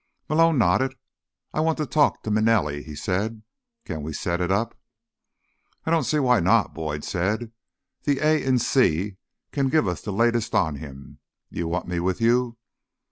Malone nodded. "I want to talk to Manelli," he said. "Can we set it up?" "I don't see why not," Boyd said. "The A in C can give us the latest on him. You want me with you?"